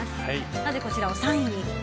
なぜこちらを３位に？